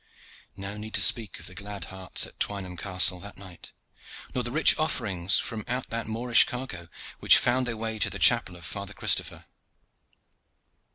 No need to speak of the glad hearts at Twynham Castle that night, nor of the rich offerings from out that Moorish cargo which found their way to the chapel of Father Christopher.